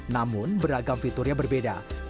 namun beragam fiturnya berbeda